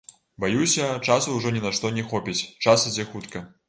Баюся, часу ужо ні на што не хопіць, час ідзе хутка.